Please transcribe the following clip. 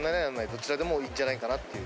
どちらでもいいんじゃないかなっていう。